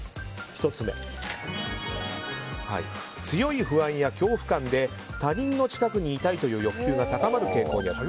１つ目、強い不安や恐怖感で他人の近くにいたいと感じる欲求が高まる傾向にある。